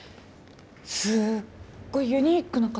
すっごいユニークな形。